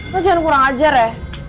lo jangan kurang ajar ya